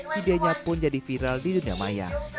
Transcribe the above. videonya pun jadi viral di dunia maya